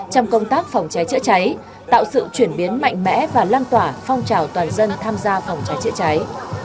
trong công tác phòng cháy chữa cháy tạo sự chuyển biến mạnh mẽ và lan tỏa phong trào toàn dân tham gia phòng cháy chữa cháy